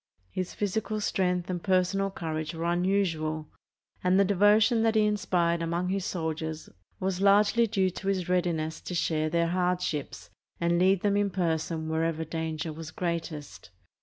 His physical strength and personal cour age were unusual, and the devotion that he inspired among his soldiers was largely due to his readiness to share their hardships and lead them in person whenever danger was greatest.